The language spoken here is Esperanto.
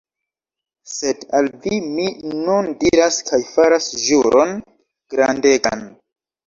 Sed al vi mi nun diras kaj faras ĵuron grandegan.